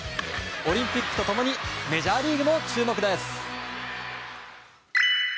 オリンピックと共にメジャーリーグも注目です。